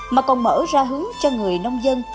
mà còn mở ra hướng cho người dân địa phương